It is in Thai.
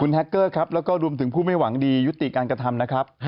แฮคเกอร์ครับแล้วก็รวมถึงผู้ไม่หวังดียุติการกระทำนะครับ